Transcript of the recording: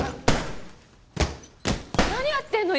何やってんの？